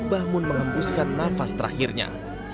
bahmun menghempuskan nafas terakhirnya